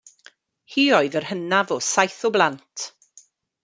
Hi oedd yr hynaf o saith o blant.